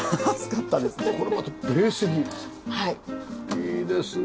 いいですね。